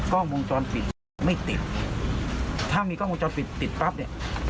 กล้องวงจรปิดไม่ติดถ้ามีกล้องวงจรปิดติดปั๊บเนี่ย